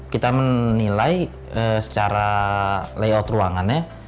kita menilai secara layout ruangannya